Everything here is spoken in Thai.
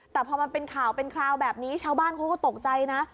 แต่พอมันเป็นข่าวเป็นคราวแบบนี้ชาวบ้านเขาก็ตกใจนะ